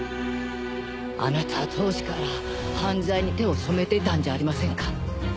あなたは当時から犯罪に手を染めていたんじゃありませんか？